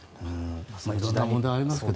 色んな問題がありますね。